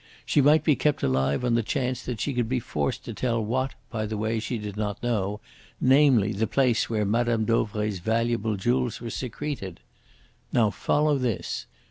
She might be kept alive on the chance that she could be forced to tell what, by the way, she did not know, namely, the place where Mme. Dauvray's valuable jewels were secreted. Now, follow this.